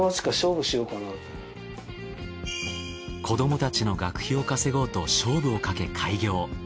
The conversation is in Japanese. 子どもたちの学費を稼ごうと勝負をかけ開業。